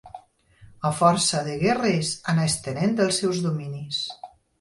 A força de guerres, anà estenent els seus dominis.